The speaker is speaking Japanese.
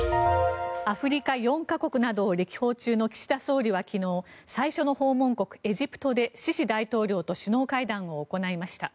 アフリカ４か国などを歴訪中の岸田総理は昨日最初の訪問国エジプトでシシ大統領と首脳会談を行いました。